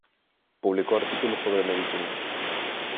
Publicó artículos sobre medicina.